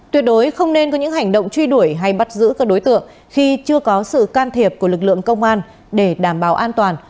tuyệt đối không nên có những hành động truy đuổi hay bắt giữ các đối tượng khi chưa có sự can thiệp của lực lượng công an để đảm bảo an toàn